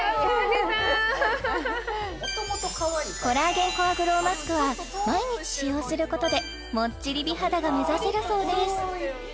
コラーゲンコアグロウマスクは毎日使用することでもっちり美肌が目指せるそうです